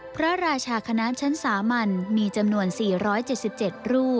๗พระราชคณะชั้นสามัญมีจำนวน๔๗๗รูปราชทินานามของพระราชคณะชั้นนี้เช่น